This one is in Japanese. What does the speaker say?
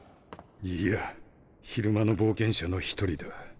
いいや昼間の冒険者の１人だ。